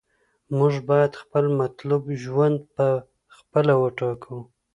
موږ باید خپل مطلوب ژوند په خپله وټاکو.